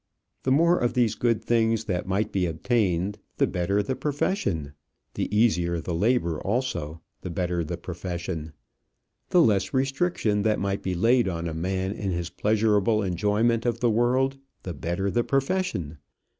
The more of these good things that might be obtained, the better the profession; the easier the labour also, the better the profession; the less restriction that might be laid on a man in his pleasurable enjoyment of the world, the better the profession.